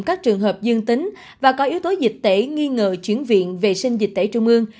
các trường hợp dương tính và có yếu tố dịch tễ nghi ngờ chuyển viện vệ sinh dịch tễ trung ương